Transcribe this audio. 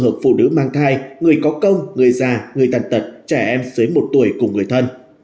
hợp phụ nữ mang thai người có công người già người tàn tật trẻ em dưới một tuổi cùng người thân